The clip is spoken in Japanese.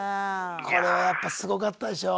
これはやっぱすごかったでしょう？